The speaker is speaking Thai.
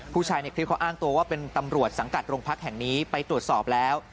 ในคลิปเขาอ้างตัวว่าเป็นตำรวจสังกัดโรงพักแห่งนี้ไปตรวจสอบแล้ว